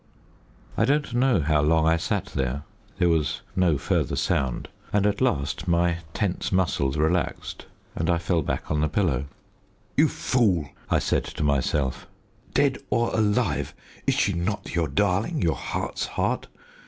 I don't know how long I sat there there was no further sound and at last my tense muscles relaxed, and I fell back on the pillow. "You fool!" I said to myself; "dead or alive, is she not your darling, your heart's heart?